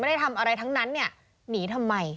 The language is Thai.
ได้ทำอะไรทั้งนั้นเนี่ยหนีทำไม